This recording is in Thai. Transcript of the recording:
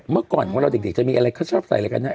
เมื่อก่อนเราดิกเลยจะให้อะไรเค้าชอบใส่อะไรงั้นนะ